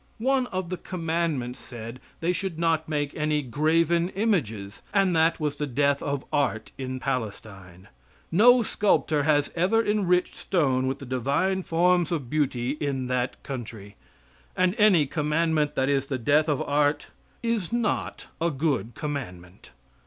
One of the commandments said they should not make any graven images, and that was the death of art in Palestine. No sculptor has ever enriched stone with the divine forms of beauty in that country; and any commandment that is the death of art is not a good commandment.